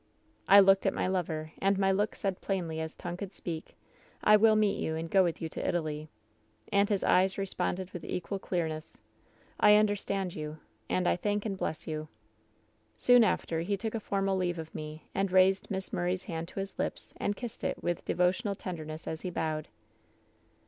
"I looked at my lover, and my look said plainly as tongue could speak: " ^I will meet you, and go with you to Italy.' "And his eyes responded with equal clearness :" ^I understand you, and I thank and bless you.* "Soon after he took a formal leave of me, and raised Miss Murray's hand to his lips and kissed it with devo tional tenderness as he bowed.